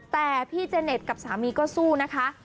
แต่พี่เจเน็ตกับสามีก็สู้นะคะ